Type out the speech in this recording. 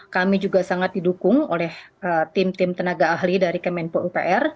kami juga sangat didukung oleh tim tim tenaga ahli dari kemenpo upr